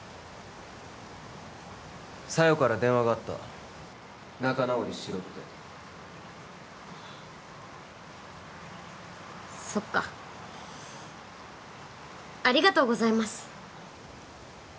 小夜から電話があった仲直りしろってそっかありがとうございます